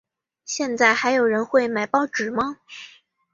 现在还有人会买报纸吗？